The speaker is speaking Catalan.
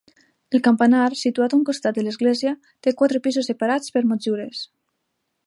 El campanar, situat a un costat de l'església, té quatre pisos separats per motllures.